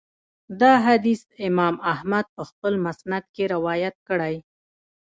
دا حديث امام احمد په خپل مسند کي روايت کړی